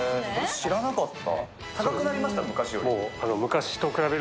知らなかった。